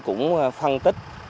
cũng phân tích